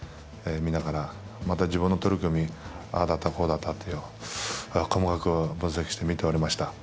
見ながらまた、自分の取組ああだった、こうだったって細かく分析して見ておりました。